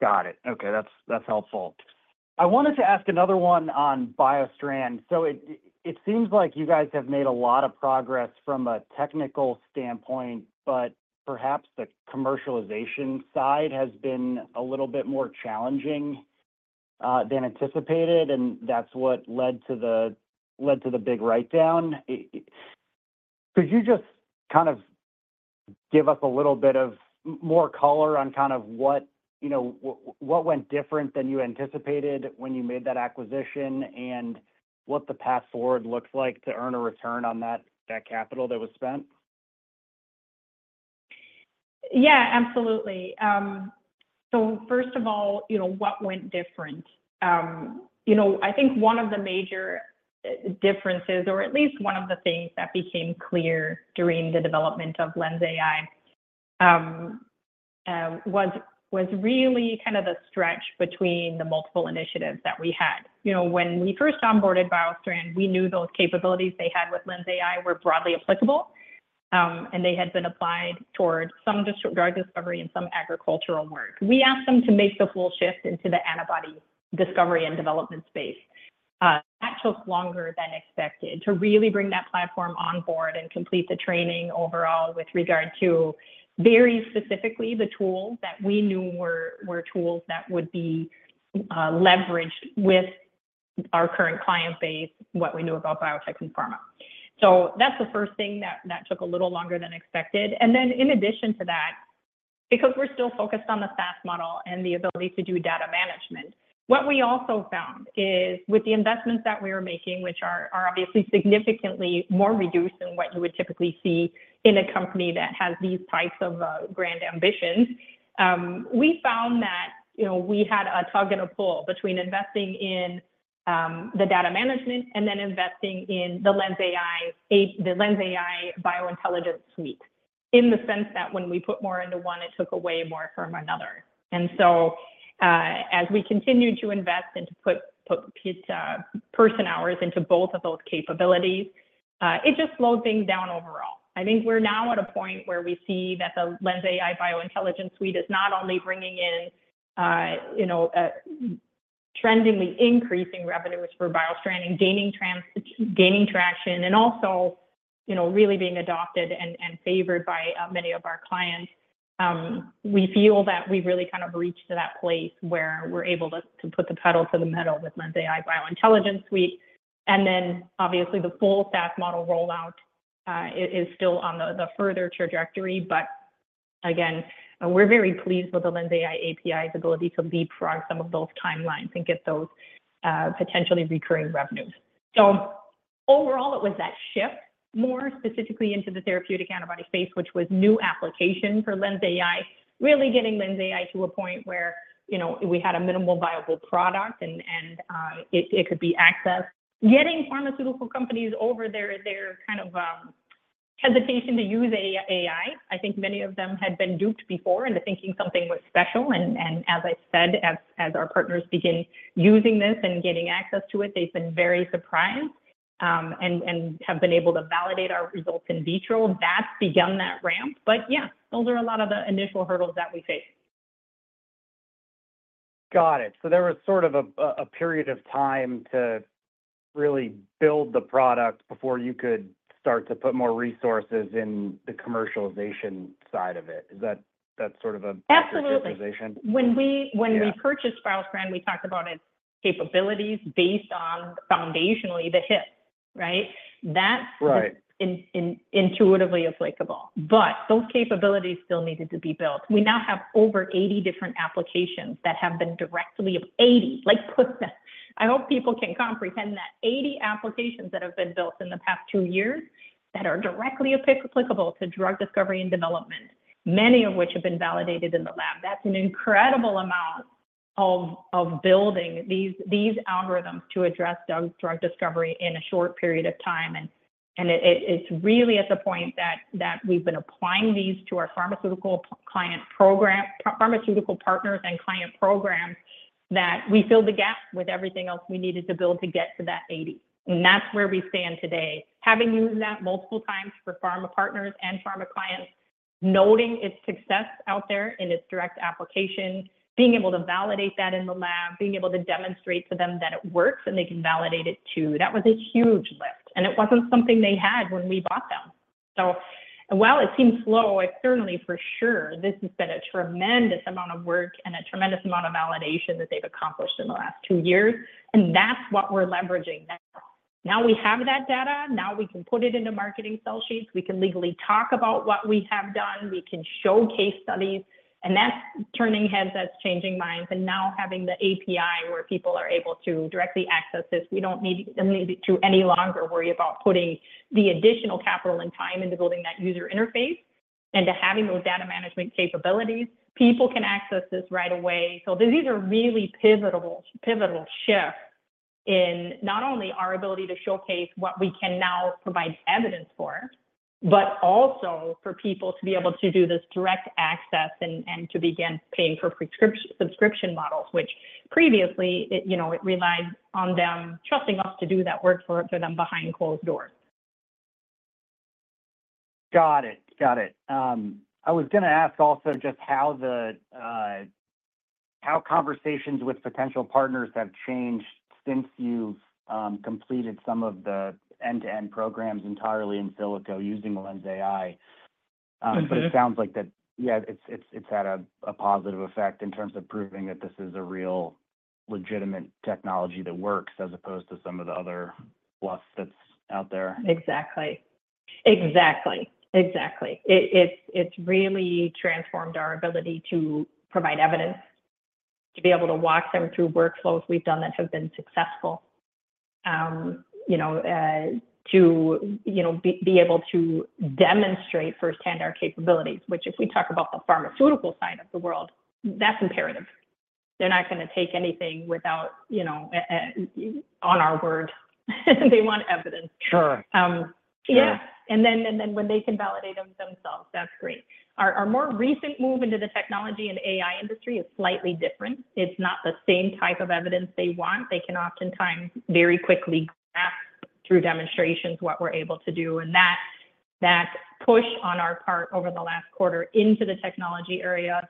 Got it. Okay, that's, that's helpful. I wanted to ask another one on BioStrand. So it, it seems like you guys have made a lot of progress from a technical standpoint, but perhaps the commercialization side has been a little bit more challenging than anticipated, and that's what led to the big write-down. Could you just kind of give us a little bit of more color on kind of what, you know, what, what went different than you anticipated when you made that acquisition, and what the path forward looks like to earn a return on that, that capital that was spent? Yeah, absolutely. So first of all, you know, what went different? You know, I think one of the major differences, or at least one of the things that became clear during the development of LENSai, was really kind of the stretch between the multiple initiatives that we had. You know, when we first onboarded BioStrand, we knew those capabilities they had with LENSai were broadly applicable, and they had been applied towards some drug discovery and some agricultural work. We asked them to make the full shift into the antibody discovery and development space, that took longer than expected to really bring that platform on board and complete the training overall with regard to very specifically the tools that we knew were tools that would be leveraged with our current client base, what we knew about biotech and pharma. So that's the first thing that took a little longer than expected. And then in addition to that, because we're still focused on the SaaS model and the ability to do data management, what we also found is with the investments that we were making, which are obviously significantly more reduced than what you would typically see in a company that has these types of grand ambitions, we found that, you know, we had a tug and a pull between investing in the data management and then investing in the BioIntelligence Suite, in the sense that when we put more into one, it took away more from another. And so, as we continued to invest and to put person hours into both of those capabilities, it just slowed things down overall. I think we're now at a point where we see that BioIntelligence Suite is not only bringing in, you know, trendingly increasing revenues for BioStrand and gaining traction, and also, you know, really being adopted and favored by many of our clients. We feel that we've really kind of reached to that place where we're able to put the pedal to the metal BioIntelligence Suite. and then obviously, the full SaaS model rollout is still on the further trajectory, but again, we're very pleased with the LENSai API's ability to leapfrog some of those timelines and get those potentially recurring revenues. So overall, it was that shift, more specifically into the therapeutic antibody space, which was new application for LENSai, really getting LENSai to a point where, you know, we had a minimal viable product, and it could be accessed. Getting pharmaceutical companies over their kind of hesitation to use AI, I think many of them had been duped before into thinking something was special, and as I said, our partners begin using this and getting access to it, they've been very surprised, and have been able to validate our results in vitro. That's begun that ramp, but yeah, those are a lot of the initial hurdles that we faced. Got it. So there was sort of a period of time to really build the product before you could start to put more resources in the commercialization side of it. Is that sort of a- Absolutely. -characterization? When we- Yeah... when we purchased BioStrand, we talked about its capabilities based foundationally on the HYFT, right? Right. That's intuitively applicable, but those capabilities still needed to be built. We now have over 80 different applications that have been directly built in the past two years that are directly applicable to drug discovery and development, many of which have been validated in the lab. 80, like, put that. I hope people can comprehend that. That's an incredible amount of building these algorithms to address drug discovery in a short period of time, and it's really at the point that we've been applying these to our pharmaceutical client program - pharmaceutical partners and client programs, that we filled the gap with everything else we needed to build to get to that 80, and that's where we stand today. Having used that multiple times for pharma partners and pharma clients, noting its success out there in its direct application, being able to validate that in the lab, being able to demonstrate to them that it works, and they can validate it, too. That was a huge lift, and it wasn't something they had when we bought them. So while it seems slow, it certainly, for sure, this has been a tremendous amount of work and a tremendous amount of validation that they've accomplished in the last two years, and that's what we're leveraging now. Now we have that data. Now we can put it into marketing sell sheets. We can legally talk about what we have done. We can show case studies, and that's turning heads, that's changing minds. And now having the API, where people are able to directly access this, we don't need to any longer worry about putting the additional capital and time into building that user interface and to having those data management capabilities. People can access this right away. So these are really a pivotal shift in not only our ability to showcase what we can now provide evidence for, but also for people to be able to do this direct access and, and to begin paying for subscription models, which previously, it, you know, it relied on them trusting us to do that work for, for them behind closed doors. Got it. Got it. I was gonna ask also just how conversations with potential partners have changed since you've completed some of the end-to-end programs entirely in silico using LENSai? But it sounds like that, yeah, it's had a positive effect in terms of proving that this is a real legitimate technology that works, as opposed to some of the other fluff that's out there. Exactly. Exactly. Exactly. It's really transformed our ability to provide evidence, to be able to walk them through workflows we've done that have been successful. You know, to be able to demonstrate firsthand our capabilities, which, if we talk about the pharmaceutical side of the world, that's imperative. They're not gonna take anything without, you know, on our word. They want evidence. Sure. Yeah. Sure. And then when they can validate them themselves, that's great. Our more recent move into the technology and AI industry is slightly different. It's not the same type of evidence they want. They can oftentimes very quickly through demonstrations what we're able to do, and that push on our part over the last quarter into the technology area,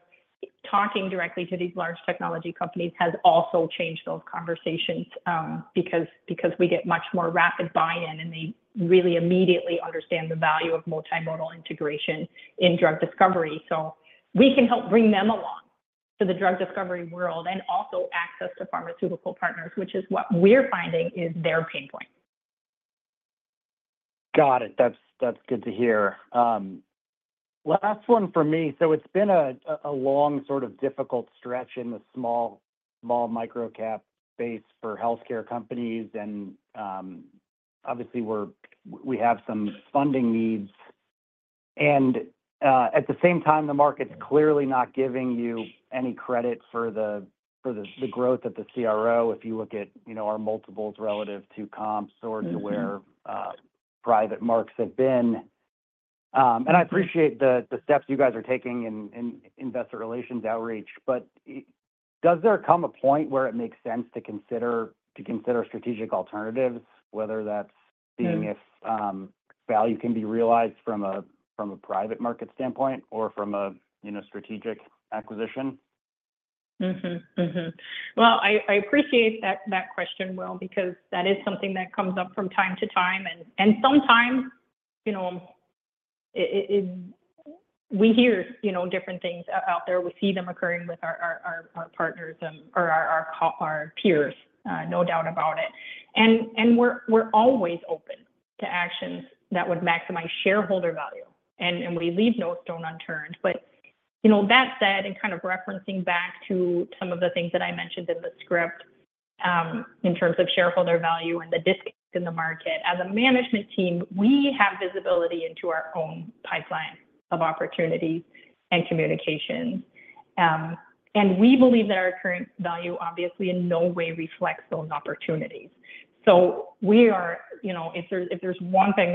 talking directly to these large technology companies, has also changed those conversations, because we get much more rapid buy-in, and they really immediately understand the value of multimodal integration in drug discovery. So we can help bring them along to the drug discovery world and also access to pharmaceutical partners, which is what we're finding is their pain point. Got it. That's good to hear. Last one for me. So it's been a long, sort of difficult stretch in the small micro cap space for healthcare companies and, obviously, we have some funding needs. And, at the same time, the market's clearly not giving you any credit for the growth of the CRO if you look at, you know, our multiples relative to comps or-... to where private markets have been. And I appreciate the steps you guys are taking in investor relations outreach, but does there come a point where it makes sense to consider strategic alternatives, whether that's seeing if value can be realized from a private market standpoint or from a, you know, strategic acquisition? Well, I appreciate that question, Will, because that is something that comes up from time to time. And sometimes, you know, we hear different things out there. We see them occurring with our partners or our competitors or our peers, no doubt about it. And we're always open to actions that would maximize shareholder value, and we leave no stone unturned. But you know, that said, and kind of referencing back to some of the things that I mentioned in the script, in terms of shareholder value and the disconnect in the market, as a management team, we have visibility into our own pipeline of opportunities and communications. And we believe that our current value obviously in no way reflects those opportunities. You know, if there's one thing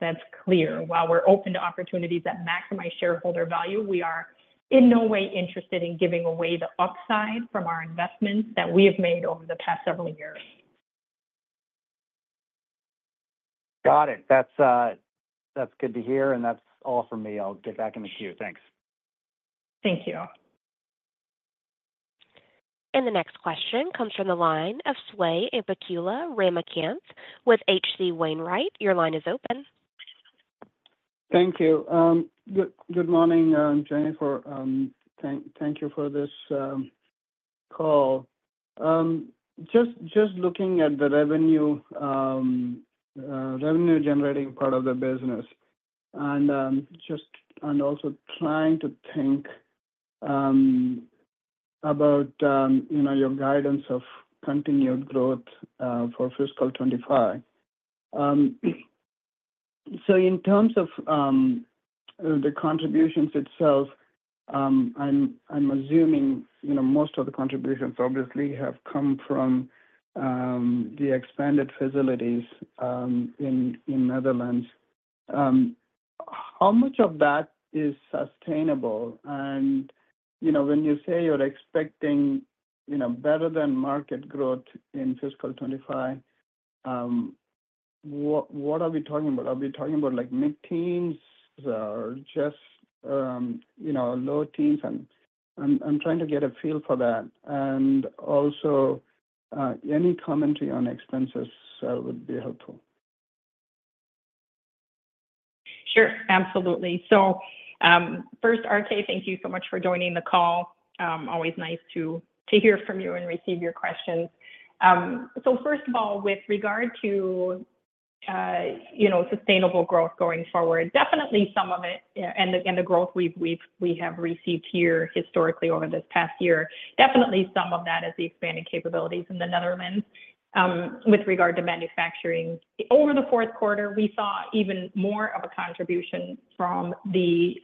that's clear, while we're open to opportunities that maximize shareholder value, we are in no way interested in giving away the upside from our investments that we have made over the past several years. Got it. That's, that's good to hear, and that's all from me. I'll get back in the queue. Thanks. Thank you. The next question comes from the line of Swayampakula Ramakanth with H.C. Wainwright. Your line is open. Thank you. Good morning, Jennifer. Thank you for this call. Just looking at the revenue-generating part of the business and also trying to think about, you know, your guidance of continued growth for fiscal 25. So in terms of the contributions itself, I'm assuming, you know, most of the contributions obviously have come from the expanded facilities in Netherlands. How much of that is sustainable? And, you know, when you say you're expecting, you know, better-than-market growth in fiscal 25, what are we talking about? Are we talking about, like, mid-teens or just, you know, low teens? I'm trying to get a feel for that. And also, any commentary on expenses would be helpful. Sure, absolutely. So, first, Sway, thank you so much for joining the call. Always nice to hear from you and receive your questions. So first of all, with regard to, you know, sustainable growth going forward, definitely some of it, yeah, and the growth we have received here historically over this past year, definitely some of that is the expanding capabilities in the Netherlands. With regard to manufacturing, over the fourth quarter, we saw even more of a contribution from the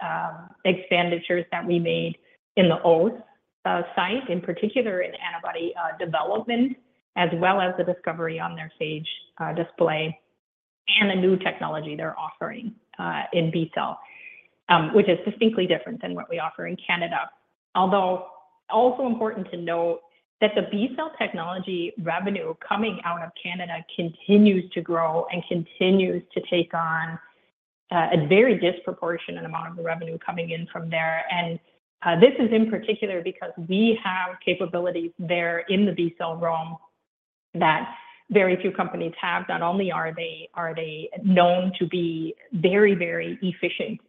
expenditures that we made in the Oss site, in particular in antibody development, as well as the discovery and their phage display and the new technology they're offering in B cell, which is distinctly different than what we offer in Canada. Although, also important to note that the B-cell technology revenue coming out of Canada continues to grow and continues to take on a very disproportionate amount of the revenue coming in from there. This is in particular because we have capabilities there in the B-cell realm that very few companies have. Not only are they known to be very, very efficient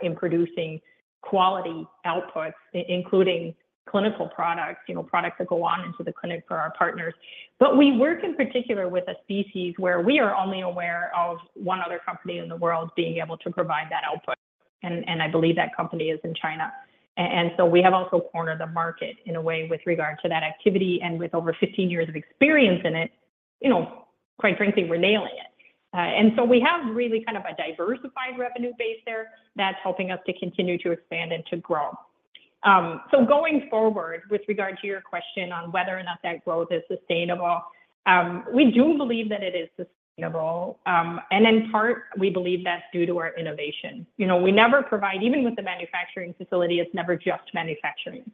in producing quality outputs, including clinical products, you know, products that go on into the clinic for our partners, but we work in particular with a species where we are only aware of one other company in the world being able to provide that output, and I believe that company is in China. And so we have also cornered the market in a way with regard to that activity. With over 15 years of experience in it, you know, quite frankly, we're nailing it. We have really kind of a diversified revenue base there that's helping us to continue to expand and to grow. Going forward, with regard to your question on whether or not that growth is sustainable, we do believe that it is sustainable. In part, we believe that's due to our innovation. You know, we never provide. Even with the manufacturing facility, it's never just manufacturing.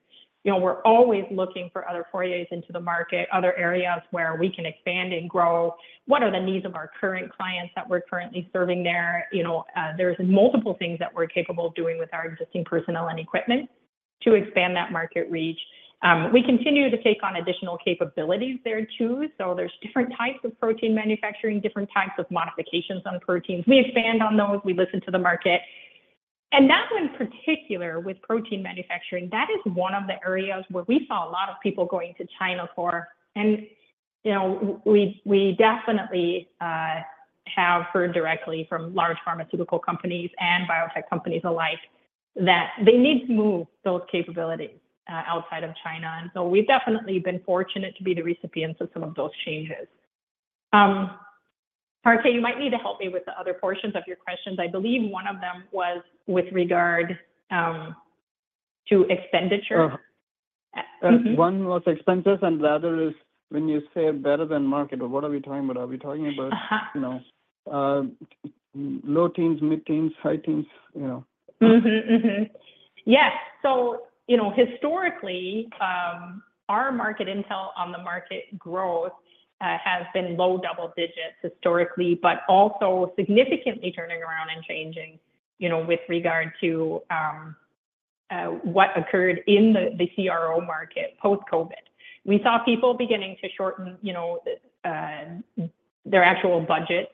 You know, we're always looking for other forays into the market, other areas where we can expand and grow. What are the needs of our current clients that we're currently serving there? You know, there's multiple things that we're capable of doing with our existing personnel and equipment to expand that market reach. We continue to take on additional capabilities there, too. So there's different types of protein manufacturing, different types of modifications on proteins. We expand on those, we listen to the market, and that one in particular, with protein manufacturing, that is one of the areas where we saw a lot of people going to China for. And, you know, we definitely have heard directly from large pharmaceutical companies and biotech companies alike that they need to move those capabilities outside of China. And so we've definitely been fortunate to be the recipients of some of those changes. Sway, you might need to help me with the other portions of your questions. I believe one of them was with regard to expenditure. One was expenses, and the other is when you say better than market, what are we talking about? Are we talking about, you know, low teens, mid-teens, high teens, you know? Yes. So, you know, historically, our market intel on the market growth has been low double digits historically, but also significantly turning around and changing, you know, with regard to what occurred in the CRO market post-COVID. We saw people beginning to shorten, you know, their actual budget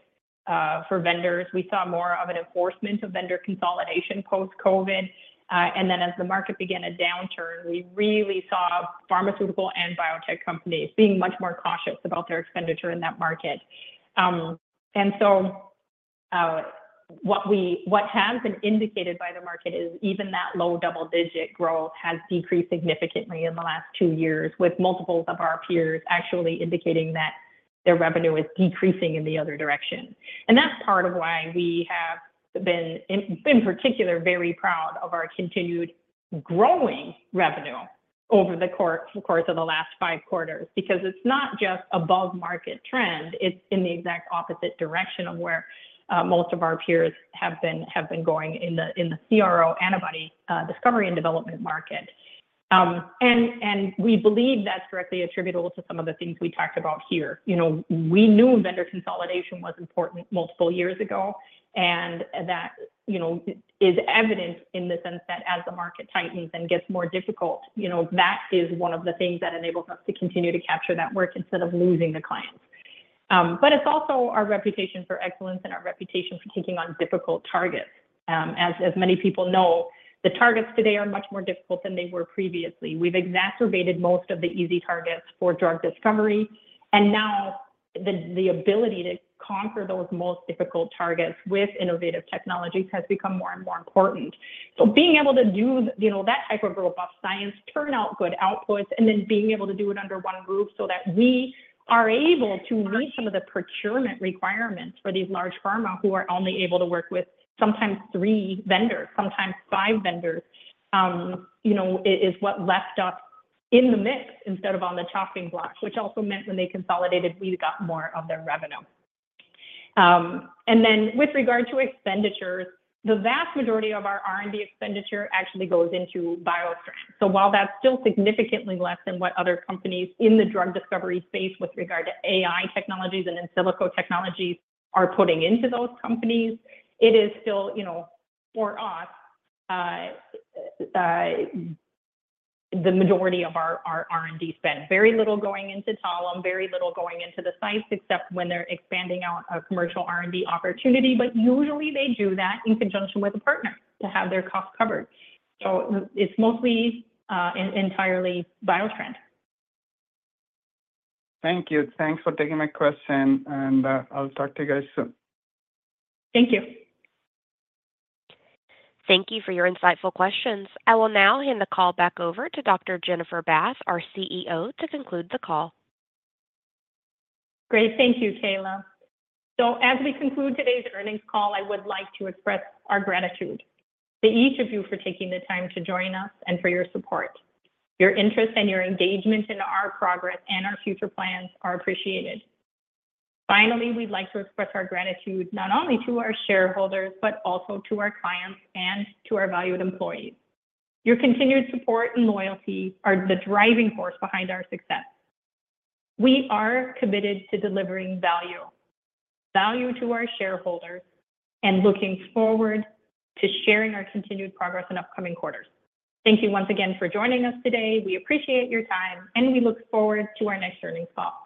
for vendors. We saw more of an enforcement of vendor consolidation post-COVID. And then as the market began a downturn, we really saw pharmaceutical and biotech companies being much more cautious about their expenditure in that market. And so, what has been indicated by the market is even that low double-digit growth has decreased significantly in the last two years, with multiples of our peers actually indicating that their revenue is decreasing in the other direction. That's part of why we have been in particular very proud of our continued growing revenue over the course of the last five quarters. Because it's not just above market trend, it's in the exact opposite direction of where most of our peers have been going in the CRO antibody discovery and development market. And we believe that's directly attributable to some of the things we talked about here. You know, we knew vendor consolidation was important multiple years ago, and that is evident in the sense that as the market tightens and gets more difficult, you know, that is one of the things that enables us to continue to capture that work instead of losing the clients. But it's also our reputation for excellence and our reputation for taking on difficult targets. As many people know, the targets today are much more difficult than they were previously. We've exacerbated most of the easy targets for drug discovery, and now the ability to conquer those most difficult targets with innovative technologies has become more and more important. So being able to do, you know, that type of robust science, turn out good outputs, and then being able to do it under one roof so that we are able to meet some of the procurement requirements for these large pharma who are only able to work with sometimes three vendors, sometimes five vendors, you know, is what left us in the mix instead of on the chopping block, which also meant when they consolidated, we got more of their revenue. And then with regard to expenditures, the vast majority of our R&D expenditure actually goes into BioStrand. So while that's still significantly less than what other companies in the drug discovery space with regard to AI technologies and in silico technologies are putting into those companies, it is still, you know, for us, the majority of our R&D spend. Very little going into Talem, very little going into the sites, except when they're expanding out a commercial R&D opportunity. But usually they do that in conjunction with a partner to have their costs covered. So it's mostly, entirely BioStrand. Thank you. Thanks for taking my question, and, I'll talk to you guys soon. Thank you. Thank you for your insightful questions. I will now hand the call back over to Dr. Jennifer Bath, our CEO, to conclude the call. Great. Thank you, Kayla. So as we conclude today's earnings call, I would like to express our gratitude to each of you for taking the time to join us and for your support. Your interest and your engagement in our progress and our future plans are appreciated. Finally, we'd like to express our gratitude not only to our shareholders, but also to our clients and to our valued employees. Your continued support and loyalty are the driving force behind our success. We are committed to delivering value, value to our shareholders, and looking forward to sharing our continued progress in upcoming quarters. Thank you once again for joining us today. We appreciate your time, and we look forward to our next earnings call.